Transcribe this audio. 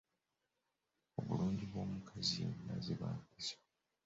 Obulungi bw’omukazi yenna ziba mpisa.